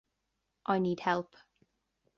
I need help.